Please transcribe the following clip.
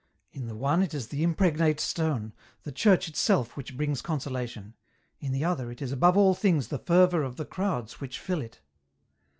In the one it is the impregnate stone, the church itself which brings consola tion, in the other it is above all things the fervour of the crowds which fill it.